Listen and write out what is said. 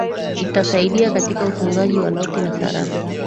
itasaidia katika utunzaji wa noti na sarafu